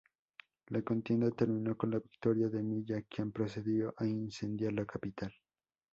La contienda terminó con la victoria de Milla, quien procedió a incendiar la capital.